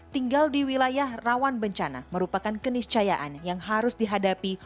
tinggal di wilayah rawan bencana merupakan keniscayaan yang harus dihadapi